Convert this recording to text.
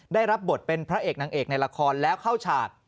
ได้รับบทเป็นพระเอกนางเอกในละครแล้วเข้าฉาก